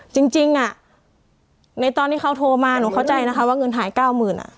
จริงในตอนที่เขาโทรมาหนูเข้าใจนะคะว่าเงินหาย๙๐๐บาท